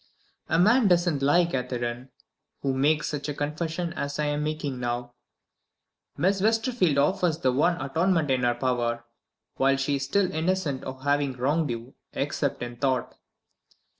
"A man doesn't lie, Catherine, who makes such a confession as I am making now. Miss Westerfield offers the one atonement in her power, while she is still innocent of having wronged you except in thought."